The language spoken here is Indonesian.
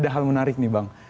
dan ada hal menarik nih bang